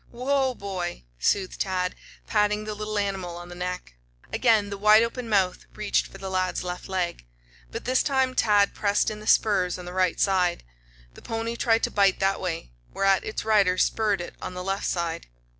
"Whoa, boy!" soothed Tad, patting the little animal on the neck. Again the wide open mouth reached for the lad's left leg. But this time Tad pressed in the spurs on the right side. The pony tried to bite that way, whereat its rider spurred it on the left side.